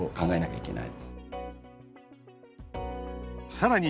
さらに